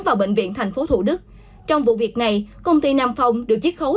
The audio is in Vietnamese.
vào bệnh viện tp thủ đức trong vụ việc này công ty nam phong được chiếc khấu